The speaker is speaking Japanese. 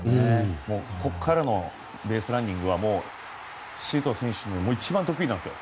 ここからのベースランニングは周東選手、一番得意なんですよ。